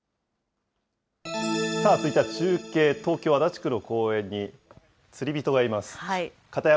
続いては中継、東京・足立区の公園に、釣り人がいます。